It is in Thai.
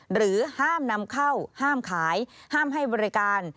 หรือห้ามนำเข้าห้ามขายห้ามให้บริการ